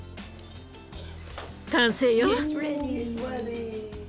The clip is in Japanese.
完成よ！